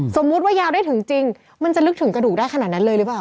สมมุติว่ายาวได้ถึงจริงมันจะลึกถึงกระดูกได้ขนาดนั้นเลยหรือเปล่า